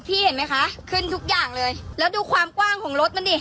เห็นไหมคะขึ้นทุกอย่างเลยแล้วดูความกว้างของรถมันดิ